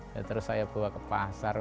ya terus saya bawa ke pasar